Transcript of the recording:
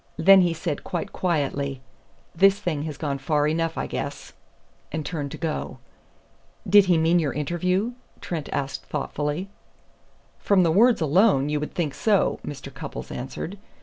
Then he said quite quietly: 'This thing has gone far enough, I guess,' and turned to go." "Did he mean your interview?" Trent asked thoughtfully. "From the words alone you would think so," Mr. Cupples answered.